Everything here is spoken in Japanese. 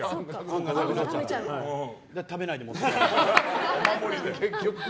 食べないで持ってた。